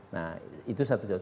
nah itu satu contoh